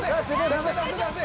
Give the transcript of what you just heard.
出せ出せ出せ！